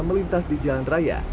melintas di jalan raya